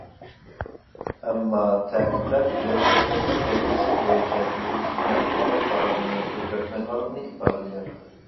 ئەمما تەكىتلەپ، بېلەت تاشلاشنىڭ نەتىجىسى بويىچە تۈنۈگۈنكى ئېلان قىلغان قارارنى ئۆزگەرتمەيدىغانلىقىنى ئىپادىلىگەن.